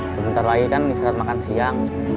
sebentar lagi kan istirahat makan siang